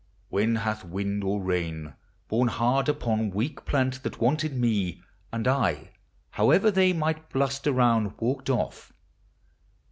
When hath wind or rain Borne hard upon weak plant that wanted me, And I (however they might bluster round) Walkt off?